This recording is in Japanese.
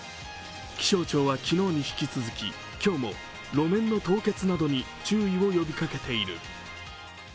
気象庁は昨日に引き続き今日も路面の凍結などに注意を呼びかけている。